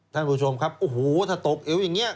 ท่านผู้ชมครับโอ้โหถ้าตกเอวอย่างนี้